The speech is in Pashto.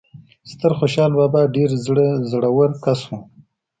ستر خوشال بابا ډیر زړه ور کس وو